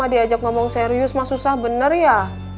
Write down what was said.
diajak ngomong serius susah bener ya